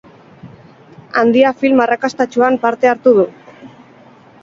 Handia film arrakastatsuan parte hartu du.